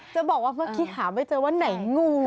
จะบอกว่าเมื่อกี้หาไม่เจอว่าไหนงู